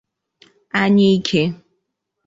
anyike